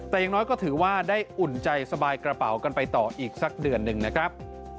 แต่อย่างน้อยก็ถือว่าได้อุ่นใจสบายกระเป๋ากันไปต่ออีกสักเดือนหนึ่งนะครับ